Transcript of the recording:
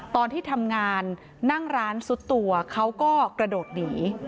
ตอนที่ทำงานนั่งร้านซุดตัวเขาก็กระโดดหนี